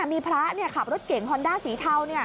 มีพระขับรถเก่งฮอนด้าสีเทา